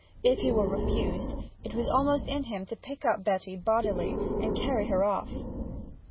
If he were refused, it was almost in him to pick up Betty bodily and carry her off.